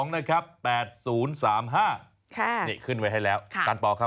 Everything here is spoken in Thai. นี่ขึ้นไว้ให้แล้วการปอล์ค่ะ